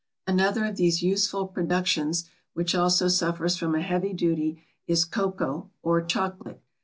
Another of these useful productions which also suffers from a heavy duty is Cocoa or Chocolate.